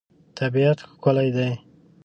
طبیعت ښکلی دی.